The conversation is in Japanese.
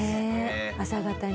朝方に。